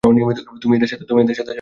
তুমি এদের সাথে?